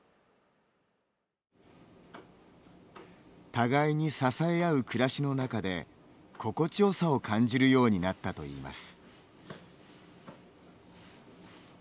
互いに支え合う暮らしの中で心地よさを感じるようになったといいます。